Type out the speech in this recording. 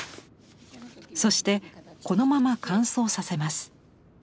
そしてこのまま乾燥させます。